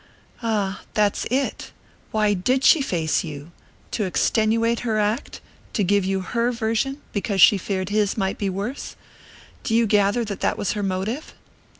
"Ah that's it! Why did she face you? To extenuate her act to give you her version, because she feared his might be worse? Do you gather that that was her motive?"